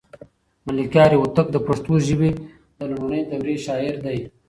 ملکیار هوتک د پښتو ژبې د لومړنۍ دورې شاعر دی.